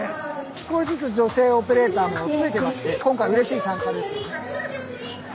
少しずつ女性オペレーターも増えてまして今回うれしい参加です。